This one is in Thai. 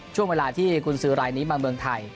ช่วงเวลาที่กุญสือรายนี้มาเมืองไทย